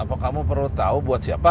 apa kamu perlu tahu buat siapa